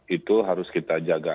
itu harus kita jaga